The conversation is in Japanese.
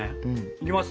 いきます！